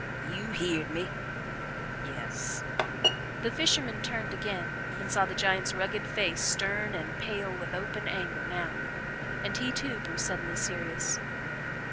"You heerd me!" "Yes." The fisherman turned again and saw the giant's rugged face stern and pale with open anger now, and he, too, grew suddenly serious.